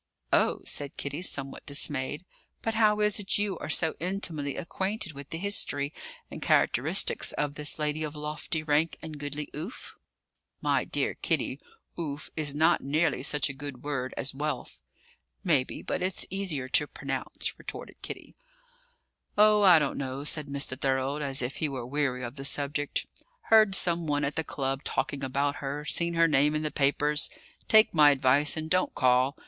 "Oh!" said Kitty, somewhat dismayed. "But how is it you are so intimately acquainted with the history and characteristics of this lady of lofty rank and goodly oof?" "My dear Kitty, 'oof' is not nearly such a good word as 'wealth.'" [Illustration: The Ant Lion Painted for Princess Mary's Gift Book by E. J. Detmold] "Maybe, but it's easier to pronounce," retorted Kitty. "Oh, I don't know," said Mr. Thorold, as if he were weary of the subject. "Heard some one at the Club talking about her; seen her name in the papers. Take my advice and don't call.